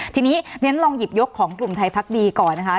ทีนี้เรียนลองหยิบยกของกลุ่มไทยพักดีก่อนนะคะ